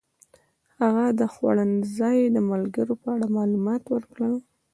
هغه د خوړنځای د ملګرو په اړه معلومات ورکړل.